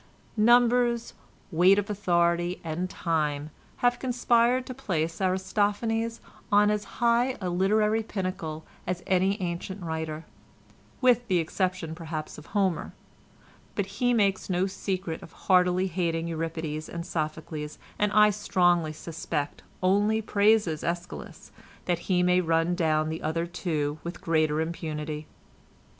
"Numbers, weight of authority, and time, have conspired to place Aristophanes on as high a literary pinnacle as any ancient writer, with the exception perhaps of Homer, but he makes no secret of heartily hating Euripides and Sophocles, and I strongly suspect only praises Æschylus that he may run down the other two with greater impunity.